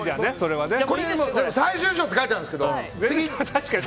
「最終章」って書いてあるんですけど。